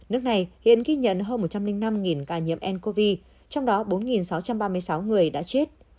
nước này hiện ghi nhận hơn một trăm linh năm ca nhiễm ncov trong đó bốn sáu trăm ba mươi sáu người đã chết